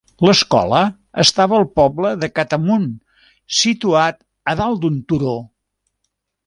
L'escola estava al poble de Catamount, situat a dalt d'un turó.